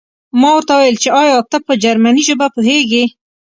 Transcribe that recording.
ما ورته وویل چې ایا ته په جرمني ژبه پوهېږې